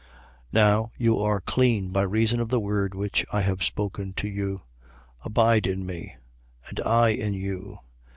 15:3. Now you are clean, by reason of the word which I have spoken to you. 15:4. Abide in me: and I in you.